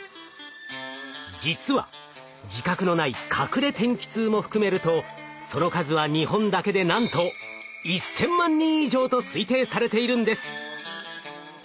実は自覚のない隠れ天気痛も含めるとその数は日本だけでなんと１，０００万人以上と推定されているんです。